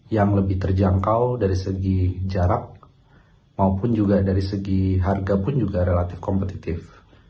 yang lebih terjangkau dari segi jarak maupun juga dari segi harga pun juga relatif kompetitif